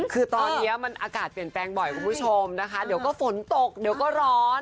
คือตอนนี้มันอากาศเปลี่ยนแปลงบ่อยคุณผู้ชมนะคะเดี๋ยวก็ฝนตกเดี๋ยวก็ร้อน